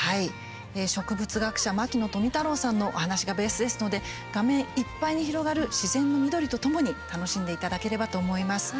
植物学者、牧野富太郎さんのお話がベースですので画面いっぱいに広がる自然の緑とともに楽しんでいただければと思います。